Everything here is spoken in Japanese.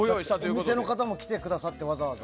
お店の方も来てくださって。